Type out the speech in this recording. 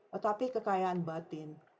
tetapi kekayaan batin